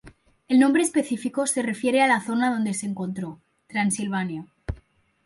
El nombre específico se refiere a la zona donde se encontró, Transilvania.